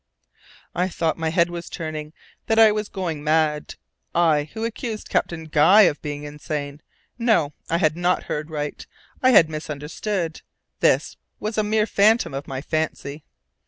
I thought my head was turning, that I was going mad I who accused Captain Guy of being insane! No! I had not heard aright! I had misunderstood! This was a mere phantom of my fancy!